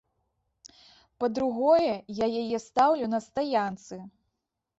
Па-другое, я яе стаўлю на стаянцы.